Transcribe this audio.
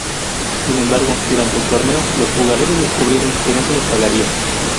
Sin embargo, durante el torneo los jugadores descubrieron que no se les pagaría.